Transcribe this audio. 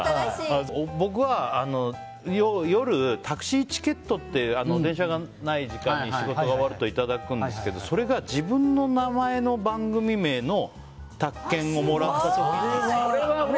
僕は夜、タクシーチケットって電車がない時間に仕事が終わるといただくんですけどそれが自分の名前の番組名のタク券をもらった時。